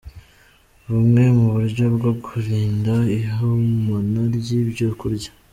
Bumwe mu buryo bwo kwirinda ihumana ry’ibyo kurya.